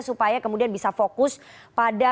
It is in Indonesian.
supaya kemudian bisa fokus pada